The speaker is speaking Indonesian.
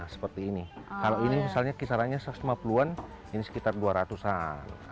seperti ini kalau ini misalnya kisarannya satu ratus lima puluh an ini sekitar dua ratus an